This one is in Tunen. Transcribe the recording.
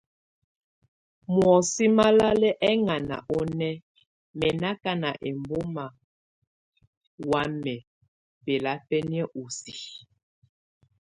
Muɔsɛ́ malal eŋan onɛ, mɛ nákan embɔ́mak wamɛ́ bɛlabɛnɛ usi.